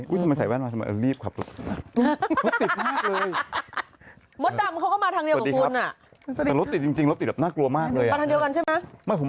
การการการการค่ะรถติดมากรถติดแบบน่ากลัวจริง